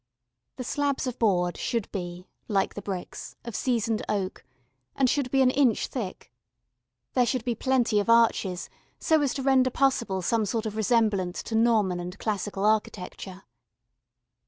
The slabs of board should be, like the bricks, of seasoned oak, and should be an inch thick. There should be plenty of arches so as to render possible some sort of resemblance to Norman and classical architecture.